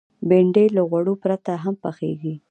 بېنډۍ له غوړو پرته هم پخېږي